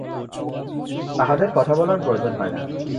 তাঁহাদের কথা বলার প্রয়োজন হয় না।